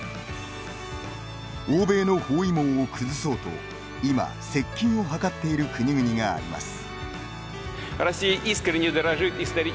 欧米の包囲網を崩そうと今、接近を図っている国々があります。